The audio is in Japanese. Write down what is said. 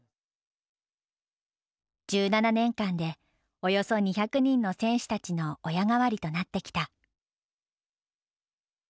１７年間でおよそ２００人の選手たちの親代わりとなってきた。